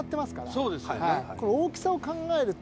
そうですよね。